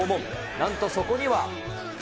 なんとそこには。